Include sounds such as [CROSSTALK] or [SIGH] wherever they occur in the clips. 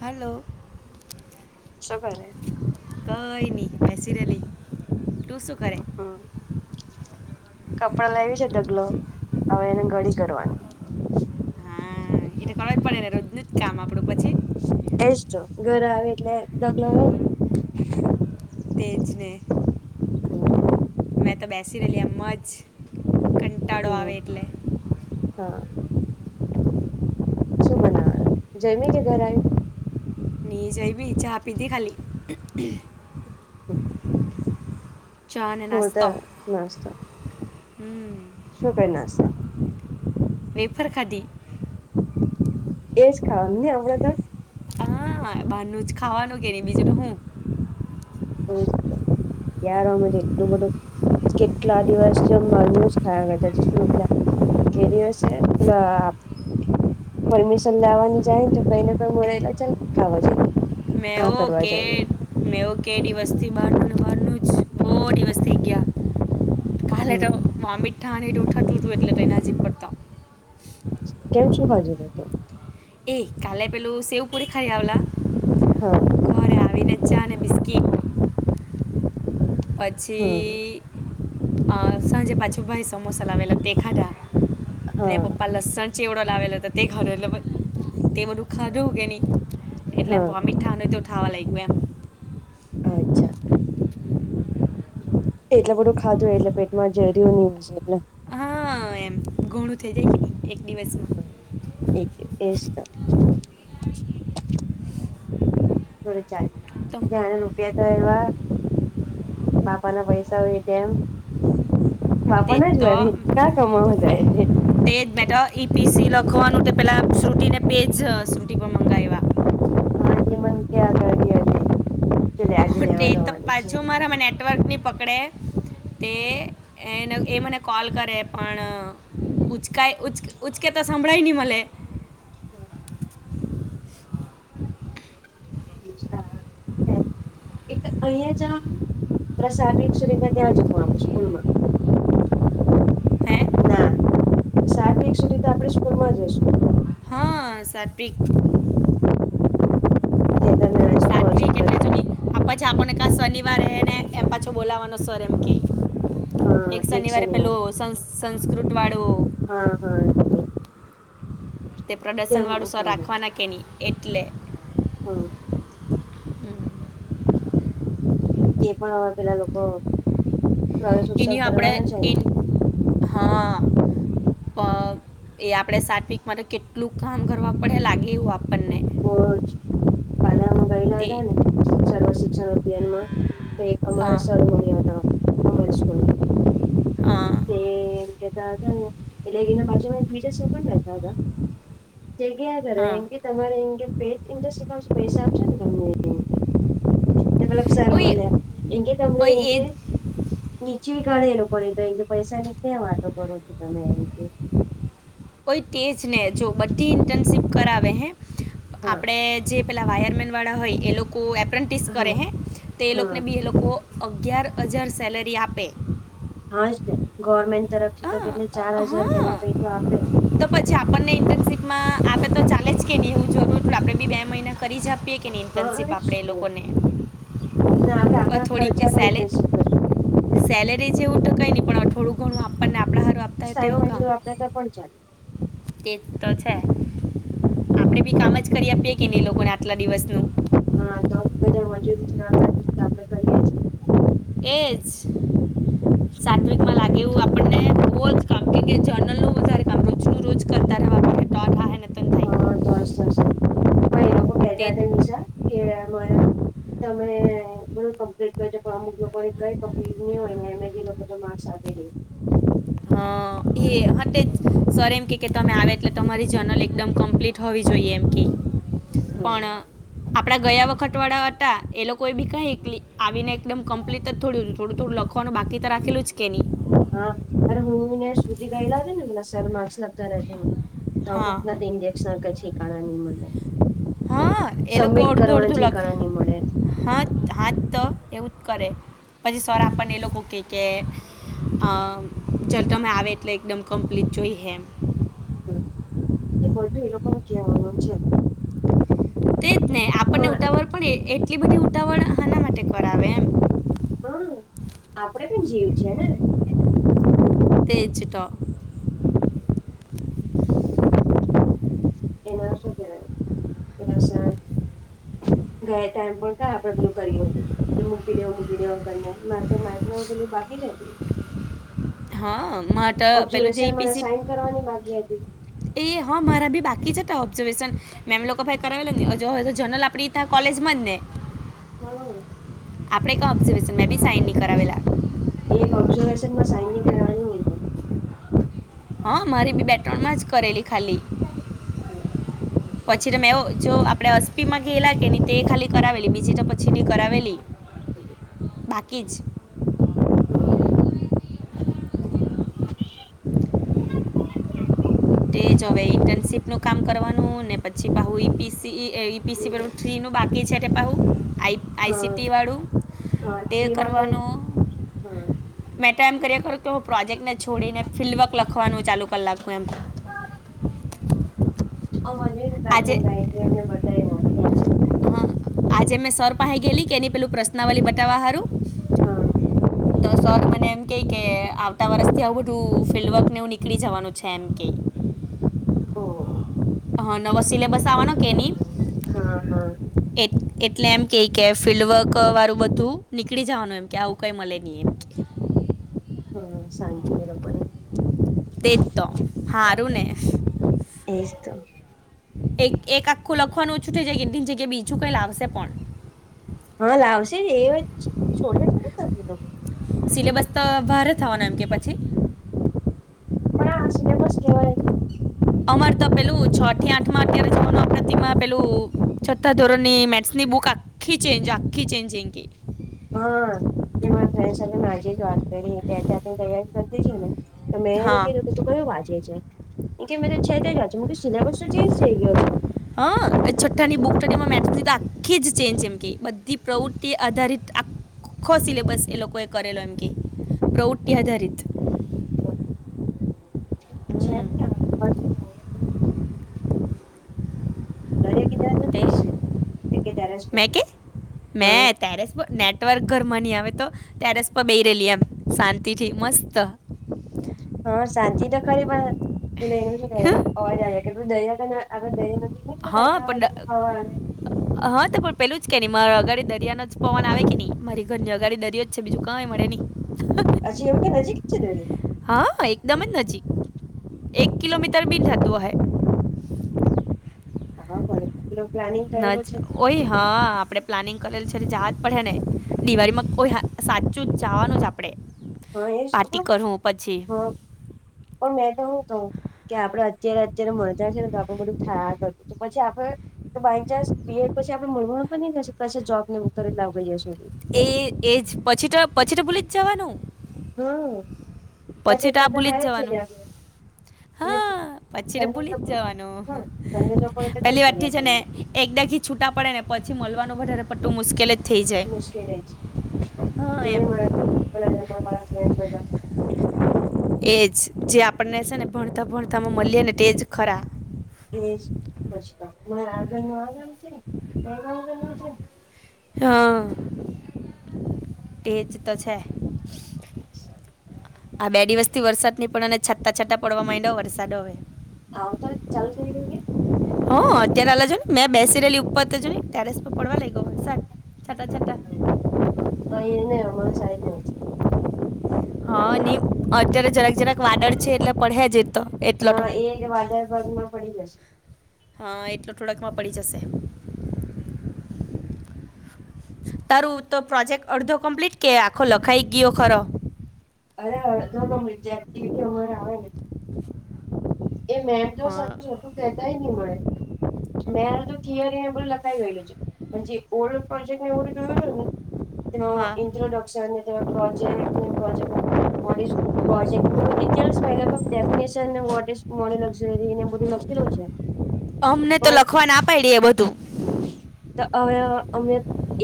હાલો. શું કરે? કઈ ની, બેસી રેલી, તું શું કરે? હમ, કપડાં લાયવી છે, ઢગલો આવે, એને ગડી કરવાની. હા એ ત કરવા જ પડે ને, રોજનું જ કામ આપડું પછી. એ જ તો, ઘરે આવે એટલે ઢગલો રે જ. તેજ ને. હ. મે તો બેસી રેલી, એમ જ કન હમ, હ. શું બનાવા? જયમી કે ઘરે આવીને. ની જયમી ચા પીધી ખાલી. હમ. ચા ને નાસ્તો, નાસ્તો હ‌. શું કરે? નાસા વેફર ખાધી. એ જ ખાવાનું ને, આપડે તો. હા, બારનું જ ખાવાનું કેની બીજું ત હું. યાર, અમે તો એટલું બધું કેટલા દિવસ જમવાનુ જ ખાયા કરતા, જશપલા. કેરી હશે, પેલા. પરમિશન લાવવાની જાય ને, તો કઈ ને કઈ મળે, ચાલ ખાવા જઈએ. આ મેવો કરવા કે જઈએ મેવો કેડી વસ્તી [UNINTELLIGIBLE] બહુ દિવસ થય ગયા, કાલે તો હમ વોમિટ. ઠ અને એ દોઠા દૂધુ એટલે ના જે પરતાો [UNINTELLIGIBLE] કેમ શું ખાધુ હતુ? એ કાલે પેલું સેવપુરી ખાઈ આવેલા. હા. ઘરે આવીને ચા અને બિસ્કીટ હમ પછી સાંજે પાછું, ભાઈ સમોસા લાવેલા તે ખાધા. અને હા પપ્પા લસણ ચેવડો લાવેલો હતો, તે ઘરે તે બધુ ખાધુ જવું કે નહી. એટલે એમ હા વોમિટ થવા ન તો થાવા લાગ્યું એમ. અચ્છા. એટલે બધું ખાધું હો, એટલે પેટમાં જેરયું નહિ હોય, એટલે હા એમ ઘણું થઈ જાય ને, એક દિવસમાં. હમ, એજ તો, થોડા ચાર તો જાણે રૂપિયા તો એવા, બાપા ના પૈસા હોય તેમ, તે બાપા ના જ તો વાપરે કા કમાવા મેં જાય તે, તે જ બેટા ઈપીસી લખવાનું તે પેલા શ્રુતિને પેજ શ્રુતિ પર મંગાવ્યા. હાજ મન ક આગતીજ [UNINTELLIGIBLE] તે તો પાછુ મારા મા નેટ, નેટવર્ક નહી પકડે તે એને એ મને કોલ કરે પણ, ઉંચકાય ઉંચ ઉંચકે તો સાંભળાય ની મળે. હમ, એક અહીંયા જા, પ્રસિક સુ રીતે ત્યાં જું આપે સ્કૂલ માં, [UNINTELLIGIBLE] હે ના સાત વીક સુધી તો આપણે સ્કૂલમાં જઈશું. હા સાત વિક, જે તમે આજે પ્રોજેક્ટ સાત્વિક બ એટલે જો નહીં આ પછી આપણને કા શનિવાર ને એમ પાછો બોલાવાનો સર એમ કે, એક શનિવારે પેલો સં, સંસ્કૃત વાળો, હા હા એટલે, તે પ્રદર્શનવાળું સર હા રાખવાના કે નહીં એટલે, હમ, હમ. તે પણ હવે પેલા લોકો, પ્રવેશ ઉત્સવ એની આપણે કરવાના છે ને, એન હા, પણ એ આપડે સાત વીક માટે કેટલું કામ કરવા પડે લાગે એવું આ બહુ જ કાલે અમે ગયેલા તે હતા ને સર્વ શિક્ષણ અભિયાન માં, તો એક હા અમારા સર મળ્યા હતા અમારી સ્કૂલ ના, હા, તે એમ કહેતા હતા ને એટલે એના બાજુમાં બીજા સર પણ બેઠા હતા. જગ્યા ઘરે હા એ કે તમારે એ પેટઇન્ટસ્ટઉ પૈસા આપશે ને તમને, એલા સાર ઓય મળલે એંગ તમને ઓય એંગ એ નીચવી કાઢે એ લોકો પણ એ, પૈસા ની ક્યાં વાતો કરો છો તમે એમ કે, કોઈ કેજ ને જો બધી ઇન્ટર્નશીપ કરાવે હે હા આપણે, જે પેલા વાયરમેન વાળા હોય એ લોકો એપ્રેન્ટિસ કરે હા હે એ હા લોકોને બી અગિયાર હજાર સેલરી આપે. હા જ ગવર્મેન્ટ તરફથી તો હા કેટ ચાર હજાર કે હા એવા કંઈક તો આપે, તો પછી આપણને ઇન્ટર્નશીપ માં આપે તો ચાલે જ કે નહી હું જો આપડે બી બે મહિના કરી જ આપીએ. કે હા ઇન્ટર્નશીપ જ આપળે એ તો. લોકોને ને આપડે આપણા થોડીક ખર્ચા પણ સેલેરી, ઇન્ટર્નશીપ કરીએ સેલેરી છે એવું કંઈ નહી પણ થોડું ઘણું આપણને આપડા હારુ આપે, સાહે પણ જે વાપરાતા પણ ચાલે, એ તો છે આપણેે બી કામ જ કરી આપીએ કેને એ લોકોને આટલા દિવસનું, હા તો બધા મજૂરી છે આપણે કરીએ છીએ. એજ સાતવીકમાં લાગે એવુ આપણને [UNINTELLIGIBLE] કે જર્નલ નું વધારે આમ રોજ ને રોજ કરતા, માટે તો થાય ને તો થાય હા તોસ થશે પણ એ લોકો તે કેતા જ વિજા કે અ તમે બી કમ્પ્લીટ કરો અમુક લોકો કંઈ કમ્પ્લીટ નહીં હોય ને એ એ જે લોકો તો માર્ક્સ આપી દે. હા એ એટલે જ, સર એમ કે કે તમે આવે એટલે તમારી જર્નલ એકદમ કમ્પ્લીટ હોવી જોઈએ એમ કે, પણ આપડા ગયા વખત વાળા હતા એ લોકો એ ભી કાઇ એકલી આવીને એકદમ કમ્પ્લીટ જ થોડું થોડું થોડું લખુ. પણ બાકીતો રાખેલું જ કે ની. હા અરે હું ને શ્રુતી ગયેલા ને સર માર્કસ લાગતા રહેમાં. તો હા અમુકના ઇન્જેક્શન કઈ ઠેકાણા નહી મલયા. હા એ લોકો અડધું અડધું ઘણા ની મળે લખે હા હાજ તો એવું કરે. પછી સર આપણને એ લોકો કે કે. અ જલ તમે આવે એટલે એકદમ કમ્પ્લીટ જોઈએ એમ હમ એ બધું એ લોકોને કહેવાનું છે. તેજ ને આપણને માં ઉતાવળ પણ એ એટલી બધી ઉતાવળ હાના માટે કરાવે એમ હમ આપડે પણ જીવ છે ને હેને. તેજ તો. એમાં શું કેવાય એલા સર. ગયા તા એમ પણ આપડે બધું કર્યું હતું. મૂકી દેવુ મૂકી દેવુ કરી નૈ મારે તો માઇક્રો પેલું બાકી જ હતું. હા મારે તો પેલું જે ઈપીસી. સાઈન કરવાની બાકી હતી એ હા મારા બી બાકી જ હતા ઓબ્ઝર્વેશન મેમ લોકો પાહે કરાવે જો હોય તો જનરલ આપડી તો કોલેજ માં જ ને હો. આપડે કા ઓબઝર્વેશન મે ભી સાઈન નહી કરાવેલા. એક ઓબ્ઝર્વેશન માં સાઈન નઈ કરાવાની હોય તો. હા મારી બી બે ત્રણ માં જ કરેલી ખાલી પછી તો મેં જો આપણે એસ્પીમાં ગયેલા કે હી તે ખાલી કરાવેલી બીજી તો પછી નય કરાવેલી હમ [INAUDIBLE] બાકી જ. હમ. તે હવે ઇન્ટનશીપ નું કામ કરવાનું ને પછી હુઈ પીસી થ્રી ઇ આઈ પિ સી નું થ થી નો બાકી છે તે પણ હું હા આઈસીટી વાળું હા તે થ્રીમાં તો કરવાનું હા મેં તો એમ કરી ખરી કે હું પ્રોજેક્ટને છોડીને ફિલ્ડવર્ક લખવાનું ચાલુ કરી નાખું એમ [UNINTELLIGIBLE] હ મજ આજે કાય એમને બતા [UNINTELLIGIBLE] હ આજે મેં સર પાહે ગેલી કેની પેલું પ્રશ્નાવલી બતાવા હારું. [UNINTELLIGIBLE] તો સર મને એમ કે કે આવતા વર્ષથી આવું બધું ફિલ્ડવર્કને એવું નીકળી જવાનું છે એમ કે [UNINTELLIGIBLE] ઓ. હા નવો સીલેબસ આવાનો કે ની હા હા એ એટલે એમ કે કે ફિલ્ડવર્ક વાળું બધું નીકળી જવાનું એમ કે આવું કઈ મળે નહી એમ હમ શાંતિ એલો પણે. તે તો હારું ને. એજ તો એક એક આખું લખવાનું ઓછું થ જગ્યા જગ્યા બીજું કઈ લાવશે પણ હા લાવશે એ છોડે કેો ત એ લોકો સિલેબસ તો ભારે થવાના એમ કે પછી પણ આ સિલેબસ કેવા ને. અમાર તો પેલું છ થી આઠમાં અત્યાર [UNINTELLIGIBLE] છઠ્ઠા ધોરણની મેથ્સની બુક આ આખી ચેન્જ આખી ચેન્જિંગી હા તે મારા ફ્રેન્ડ સાથે મે આજે જ વાત કરી કે અત્યાર થી તૈયાર કર દેજો ને. તો મેં એને હા કીધું તું કયું વાંચે છે એમ કે મેં તો છે તે જ વાચુ છુ. મેં [UNINTELLIGIBLE] સિલેબસ તો ચેન્જ થઈ ગયો છે. હા છઠ્ઠાની બુક [UNINTELLIGIBLE] મેથ્સ ની આખી જ ચેન્જ છે એમ કે બધી પ્રવૃતિ આધારિત આ ખો સિલેબસ એ લોકો એ કરેલો એમ કે પ્રવૃત્તિ આધારિત. હમ, [INAUDIBLE] દરિયા કિનારે [UNINTELLIGIBLE] મે કે હા [UNINTELLIGIBLE] ટેરેસ પર નેટવર્ક ઘરમાં નહી આવે તો ટેરેસ પર બેહી રહેલી એમ શાંતિથી મસ્ત હા શાંતિ તો ખરી પણ [UNINTELLIGIBLE] એનું શુ કે અવાજ આવે કે તું દરિયા કને આગળ દરિયો નથી. હા પણ [UNINTELLIGIBLE] હા તો પણ પેલું જ કે ને મારા અગાડી દરિયાનો જ પવન આવે કે નહી મારી ઘરની અગાડી દરિયો જ છે બીજું કાંઈ મળે નહી. [UNINTELLIGIBLE] નજીક છે એને હા એકદમ જ નજીક એક કિલોમીટર બી થતું અહે. [UNINTELLIGIBLE] એનો પ્લાનિંગ ન જ કરેલું છે તે. ઓય હા આપડે પ્લાનિંગ કરેલ છે જહા જ પડહે ને, દીવાળીમાં કોઈ હા સાચું જાવાનું જ આપડે. હા એ જ પાર્ટી પણ કરહું પછી હા પણ મેં તો હું કહું? કે આપણેે અત્યારે અત્યારે મળતા છે ને તો આપડે બધું થયા કરતું છે, પછી આપણે તો બાય ચાન્સ બીએડ પછી આપણેે [UNINTELLIGIBLE] જોબ [UNINTELLIGIBLE] એ એ જ પછી તો એ, પછી તો ભૂલી જ જવાનું. હા પછી તો આ ભૂલી જ જવાનું. એટલે હા પછી તો તને ભૂલી જ લોકો જવાનું, હા તને લોકોને તો કેમ પેલી વાત થઈ ફરિયા છે ને કરી એક બે થી છૂટા પડે ને પછી મળવાનું વધારે પડતું મુશ્કેલ જ થઈ જાય મુશ્કેલ જ હા એમ [UNINTELLIGIBLE] એજ જે આપણને સે ને ભણતા ભણતામાં મલીએ ને તે જ ખરા. એ જ [UNINTELLIGIBLE] એનું આગળલું [UNINTELLIGIBLE] હા, તે જ તો છે. [INAUDIBLE] આ બે દિવસ થી વરસાદ નહી પણ અને છાંટા છાંટા પડવા માંડ્યા વરસાદ હવે આવફા વેંત ચાલુ [UNINTELLIGIBLE] થઈ ગઈ? હ અત્યારે અલા જો ની મેં બેસી રહેેલી ઉપર તો જો ની ટેરેસ પર પડવા લાઈગો વરસાદ. છાંટા છાંટા અહીં નહી અમારા સાઈડમાં જ હા ને અત્યારે જરાક જરાક વાદળ છે એટલે પડહે જ એ તો એટલો તો હા એ જ વાદળ ઘરમાં પડી જશે. હા એટલો થોડાકમાં પડી જશે. તારું તો પ્રોજેક્ટ અડધો કમ્પ્લીટ કે આખો લખાઈ ગયો ખરો? અરે હજુ તો [UNINTELLIGIBLE] એક્ટિવિટી અમારે આવે નહીં. એ મેમ તો હા સારું છુટું કહેતાય ની મળે મેં તો થિયરીને બધું લખાવી ગયેલું છે પણ જે ઓલ્ડ પ્રોજેક્ટ ને એવુ જોયુ હતું ને હા ઇટ્રોડકશન ને પ્રો [UNINTELLIGIBLE] મોડીલક્ઝરી ને બધું લખેલુ છે. અમને તો પણ લખવા ના પાયડી એ બધું ત હવે અમે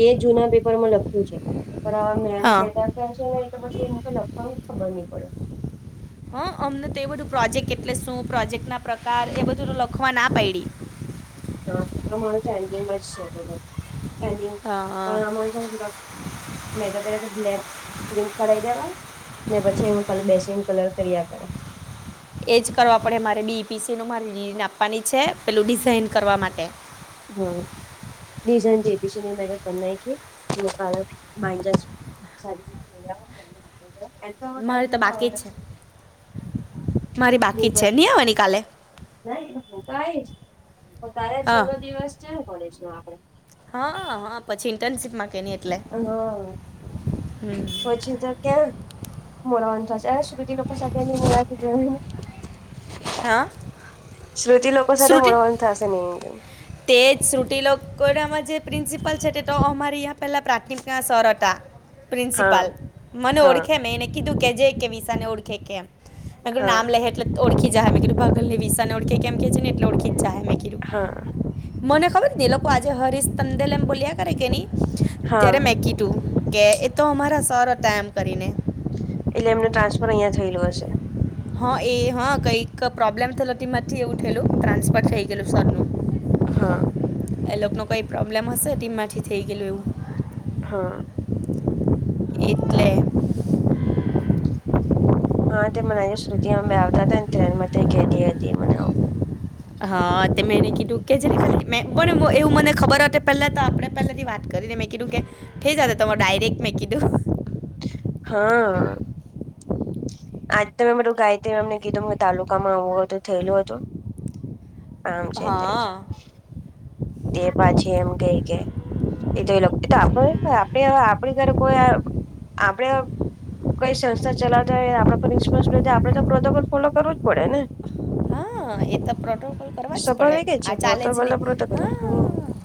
એ જુના પેપરમાં લખ્યું છે. પણ આવા મેમ હા કહેતા હતા છે ને એટલે પછી એમ લખવાની ખબર ની પડે હા અમને તે બધું પ્રોજેક્ટ એટલે શું? પ્રોજેક્ટ ના પ્રકાર એ બધું લખવાની ના પાયડી હા તો તમારો ચૅગિંગમા જ છે ચૅગિંગ હા પણ અમને સેને જરાક [UNINTELLIGIBLE] પ્રિન્ટ કઢાવી દેવાય ને પછી હું ખાલી બેસી ને કલર કરી કરું એજ કરવા પડે મારે બી પી સી નું મારે [UNINTELLIGIBLE] આપવાની છે પેલું ડિઝાઇન કરવા માટે હા ડિઝાઇન જે બી સી કરી નાઇખે [UNINTELLIGIBLE] [INAUDIBLE] મારે તો બાકી જ છે મારી બાકી જ છે બટ ની આવાની કાલે નહી હું તો આઈશ પણ કાલે હા છેલ્લો દિવસ છે ને કોલેજનો આપડે હા હા પછી ઇન્ટર્નશીપમાં કે ની એટલે હા હમ પછી તો ક્યાં મોરવાનું થશે સુધી લોકો સાથે જોને હા [UNINTELLIGIBLE] શ્રુતિ લોકો સાથે શ્રુતિ મળવાનું થાશે ની કેમ તે જ શ્રુતી લોકોનામા જે પ્રિન્સિપલ છે તે તો અમારે અહીંયા પેલા પ્રાથમિકના સર હતા હા પ્રિન્સિપાલ મને હા ઓળખે મે એને કીધું કે જે કે વિશા ને ઓળખે કે કેમ મરું હા નામ લેહે એટલે ઓળખી જાહે મે કીધું ભગલ ને વિસાને ઓળખે કેમ કે છે ને એટલે ઓળખી જાહે મેં કીધું હા મને ખબર ની એ લોકો આજે હરીશ તંદેલ એમ બોલ્યા કરે કે ની હા ત્યારે મે કી તું કે એ તો અમારા સર હતા એમ કરીને એટલે એમનુ ટ્રાન્સફર અહિંયા થયેલુ હશે. હા એ હા કઈક પ્રોબ્લેમ થયેલોમાંથી એવું થયેલું ટ્રાન્સફર થઈ ગયેલું સરનું હા એ લોકો ને કઈ પ્રોબ્લેમ હશે ટીમમાંથી થઇ ગયેલુ એવું હા એટલે હા તે મને આજે શ્રુતિ હાબે આવતા હતા ને તને મને કેતી હતી મને આવું હા તે મેં એને કીધું કે જેને ખાલી મે પણ એવું મને ખબર હતે પેલા તો આપડે પેલા થી વાત કરીને મે કીધું કે થઈ જાતે તમારે ડાયરેક્ટ મેં કીધું હા આજ તમે બધું ગાયત્રીમેમ ને કીધું તાલુકામાં આવું હતું થયેલું હતું આમ છે તેમ હા છે તે પાછી એમ કેઈ કે એ તો એ લોકો એ તો આપડે આપડે આપડી ઘરે કોઈ આપડે કઈ સંસ્થા ચલાવતા હોય આપડા પર વિશ્વાસ નથી આપડે તો પ્રોટોકોલ ફોલો કરવું જ પડે ને હા એ તો પ્રોટોકોલ કરવા જ પડે સ્વાભાવિક છે આ ચાલે જ નહીં [UNINTELLIGIBLE] હમ હા